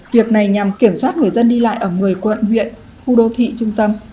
việc này nhằm kiểm soát người dân đi lại ở một mươi quận huyện khu đô thị trung tâm